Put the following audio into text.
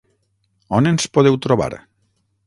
On ens podeu trobar?